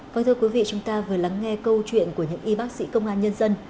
vâng thưa quý vị chúng ta vừa lắng nghe câu chuyện của những y bác sĩ công an nhân dân